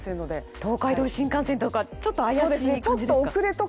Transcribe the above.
東海道新幹線とかちょっと怪しい感じですか？